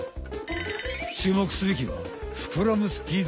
ちゅうもくすべきはふくらむスピード。